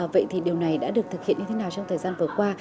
vậy thì điều này đã được thực hiện như thế nào trong thời gian vừa qua